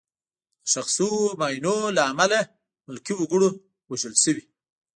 د ښخ شوو ماینونو له امله ملکي وګړي وژل شوي.